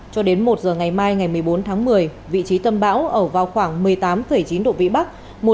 cho đến một giờ ngày mai ngày một mươi bốn tháng một mươi vị trí tâm bão ở vào khoảng một mươi tám chín độ vĩ bắc